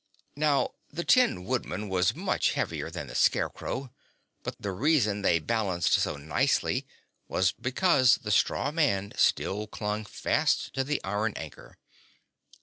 Now the Tin Woodman was much heavier than the Scarecrow, but the reason they balanced so nicely was because the straw man still clung fast to the iron anchor.